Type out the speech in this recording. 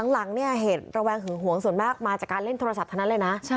หลังเนี่ยเหตุระแวงหึงหวงส่วนมากมาจากการเล่นโทรศัพท์ทั้งนั้นเลยนะ